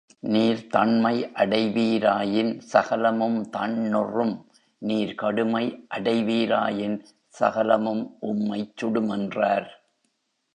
நீர் தண்மை அடைவீராயின் சகலமும் தண்ணுறும் நீர் கடுமை அடைவீராயின் சகலமும் உம்மைச் சுடுமென்றார்.